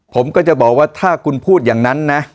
ผมก็จะบอกว่าถ้าคุณพูดอย่างนั้นนะ